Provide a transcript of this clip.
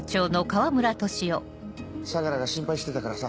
相良が心配してたからさ。